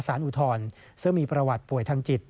อุทธรณ์ซึ่งมีประวัติป่วยทางจิต